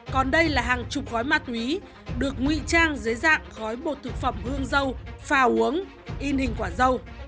còn đây là hàng chục gói ma túy được ngụy trang dưới dạng khói bột thực phẩm hương dâu pha uống in hình quả dâu